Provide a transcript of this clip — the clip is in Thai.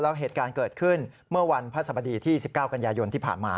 แล้วเหตุการณ์เกิดขึ้นเมื่อวันพระสบดีที่๑๙กันยายนที่ผ่านมา